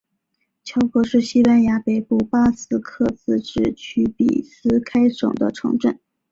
格乔是西班牙北部巴斯克自治区比斯开省的城镇。